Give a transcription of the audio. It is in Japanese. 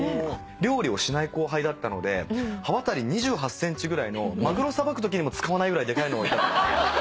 料理をしない後輩だったので刃渡り２８ｃｍぐらいのマグロさばくときにも使わないぐらいでかいのを頂いて。